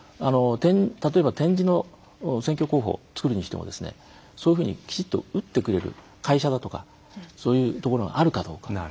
例えば点字の選挙公報を作るにしてもそういうふうにきちんと打ってくれる会社だとかそういうところがあるかどうか。